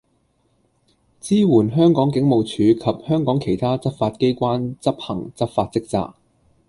支援香港警務處及香港其他執法機關執行執法職責